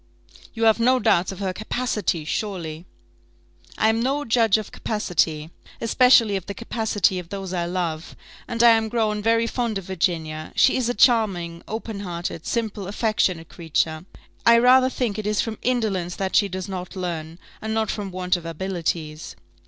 "You have no doubts of her capacity, surely?" "I am no judge of capacity, especially of the capacity of those I love; and I am grown very fond of Virginia; she is a charming, open hearted, simple, affectionate creature. I rather think it is from indolence that she does not learn, and not from want of abilities."